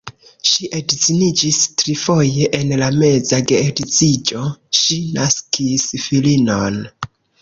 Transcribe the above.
Ŝi edziniĝis trifoje, en la meza geedziĝo ŝi naskis filinon.